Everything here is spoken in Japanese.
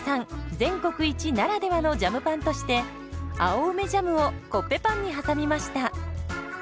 全国一ならではのジャムパンとして青梅ジャムをコッペパンに挟みました。